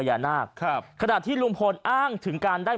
ท่านพรุ่งนี้ไม่แน่ครับ